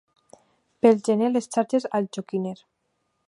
Pel gener les xarxes al joquiner.